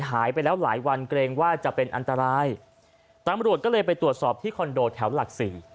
หายไปแล้วหลายวันเกรงว่าจะเป็นอันตรายตำรวจก็เลยไปตรวจสอบที่คอนโดแถวหลักสี่